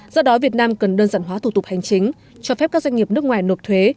do đó việt nam cần đơn giản hóa thủ tục hành chính cho phép các doanh nghiệp nước ngoài nộp thuế